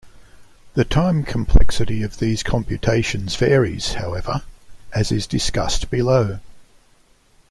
The time complexity of these computations varies, however, as is discussed below.